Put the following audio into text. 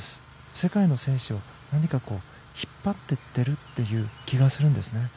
世界の選手を何かこう引っ張っていってるという気がするんですね。